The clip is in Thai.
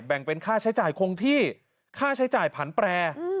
เป็นค่าใช้จ่ายคงที่ค่าใช้จ่ายผันแปร